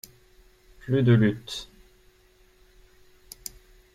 Plus de luttes.